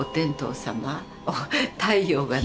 太陽がね